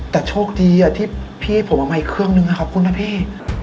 แต่โชคดีที่พี่ผมเอามาอีกเครื่องนึงนะครับคุณนะพี่